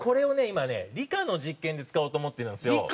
今ね理科の実験で使おうと思ってるんですよ。